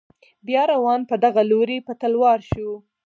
بیا روان په دغه لوري په تلوار شو.